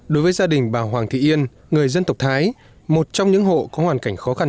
đối với gia đình bà hoàng thị yên người dân tộc thái một trong những hộ có hoàn cảnh khó khăn